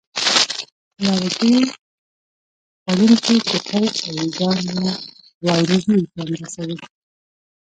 لرګي خوړونکي کوخۍ او وېږیان یا واینې ډېر زیان رسوي.